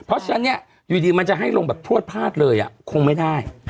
เพราะฉะนั้นเนี่ยอยู่ดีมันจะให้ลงแบบทวดพลาดเลยคงไม่ได้